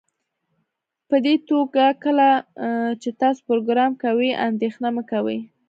پدې توګه کله چې تاسو پروګرام کوئ اندیښنه مه کوئ